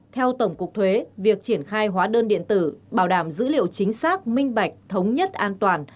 theo tổng cục thuế việc triển khai hóa đơn điện tử bảo đảm dữ liệu chính xác minh bạch thống nhất an toàn